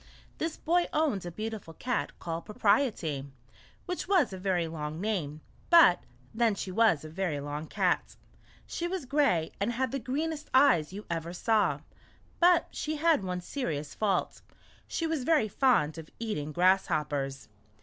This boy owned a beautiful cat called Propriety, which was a very long name, but then she was a very long cat. She was gray, and had the greenest eyes you ever saw, but she had one serious fault — she was very fond of eating grasshoppers.